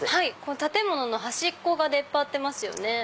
建物の端が出っ張ってますよね。